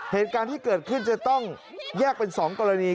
เหตุการณ์ที่เกิดขึ้นจะต้องแยกเป็น๒กรณี